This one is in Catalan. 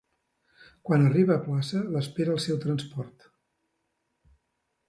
Quan arriba a plaça l'espera el seu transport.